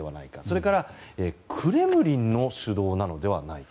それからクレムリンの主導なのではないか。